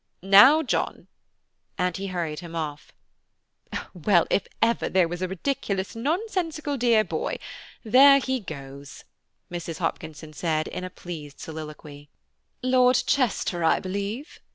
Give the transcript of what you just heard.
Now, John," and he hurried him off. "Well, if ever there was a ridiculous, nonsensical dear boy, there he goes," said Mrs. Hopkinson in a pleased soliloquy. "Lord Chester, I believe?"